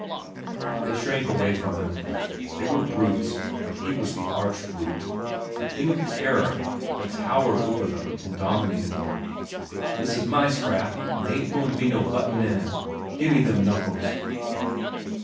They shrank away from him. They were brutes, but he was the arch brute, a thing of terror that towered over them and dominated them. "This is my scrap, an' they ain't goin' to be no buttin' in. Gimme them knuckles."